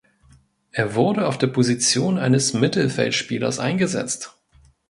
Er wurde auf der Position eines Mittelfeldspielers eingesetzt.